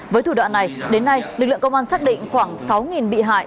với thủ đoạn này đến nay lực lượng công an xác định khoảng sáu bị hại